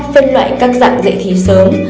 ba phân loại các dạng dạy thi sớm